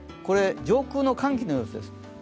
上空の寒気の様子です。